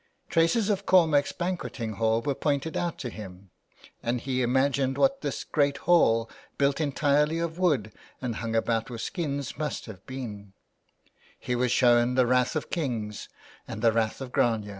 Traces of Cormac's banqueting hall were pointed out to him, and he imagined what this great hall, built entirely of wood and hung about with skins, must have been He was shown the Rath of Kings and the Rath of Grania.